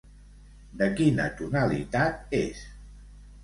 De quina tonalitat és?